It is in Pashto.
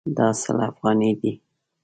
دا سل افغانۍ دي